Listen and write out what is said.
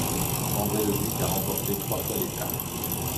André Leducq a remporté trois fois l'étape.